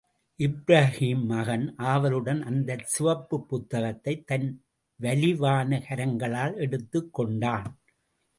இப்ராஹீம் மகன் ஆவலுடன் அந்தச் சிவப்புப் புத்தகத்தைத் தன் வலிவான கரங்களால் எடுத்துக் கொண்டான்.